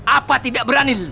apa tidak berani